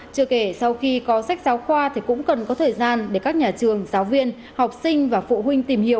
chưa kể sau khi có sách giáo khoa thì cũng cần có thời gian để các nhà trường giáo viên học sinh và phụ huynh tìm hiểu